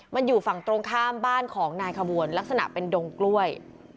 มันอยู่ฝั่งตรงข้ามบ้านของนายขบวนลักษณะเป็นดงกล้วย